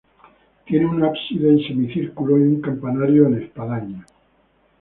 Tiene un ábside en semicírculo y un campanario de espadaña.